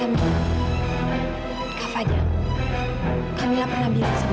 kak fadil kamila pernah bilang sama mamanya